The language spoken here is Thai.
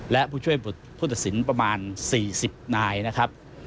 และผู้ช่วยผู้ตัดสินประมาณ๔๐นายนะครับ